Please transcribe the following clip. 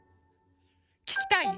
聴きたい？